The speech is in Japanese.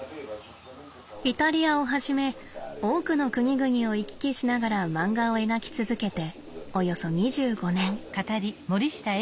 イタリアをはじめ多くの国々を行き来しながら漫画を描き続けておよそ２５年。